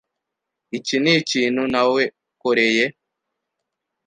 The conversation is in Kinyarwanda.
Iki nikintu nawekoreye .